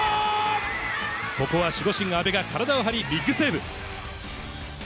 ここは守護神、あべが体を張り、ビッグセーブ。